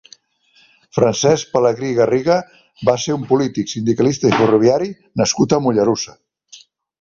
Francesc Pelegrí Garriga va ser un polític, sindicalista i ferroviari nascut a Mollerussa.